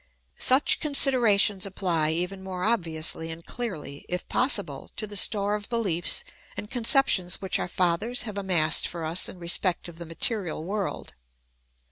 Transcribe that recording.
Such considerations apply even more obviously and clearly, if possible, to the store of beliefs and conceptions which our fathers have amassed for us in respect of the material world.